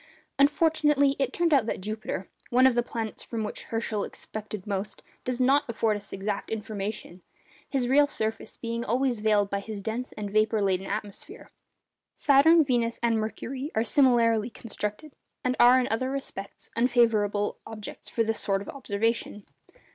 Unfortunately, it turned out that Jupiter, one of the planets from which Herschel expected most, does not afford us exact information his real surface being always veiled by his dense and vapour laden atmosphere. Saturn, Venus, and Mercury are similarly circumstanced, and are in other respects unfavourable objects for this sort of observation.